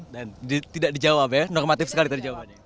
dan tidak dijawab ya normatif sekali tadi jawabannya